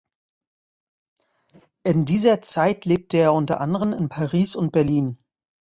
In dieser Zeit lebte er unter anderem in Paris und Berlin.